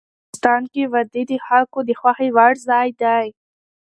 افغانستان کې وادي د خلکو د خوښې وړ ځای دی.